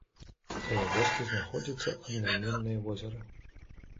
Каля вёскі знаходзіцца аднайменнае возера.